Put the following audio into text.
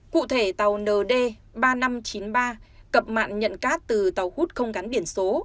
cụ thể tàu nd ba nghìn năm trăm chín mươi ba cập mặn nhận cát từ tàu hút không gắn biển số